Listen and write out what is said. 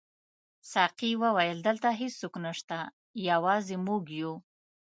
ساقي وویل: دلته هیڅوک نشته، یوازې موږ یو.